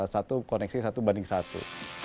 satu koneksi satu banding satu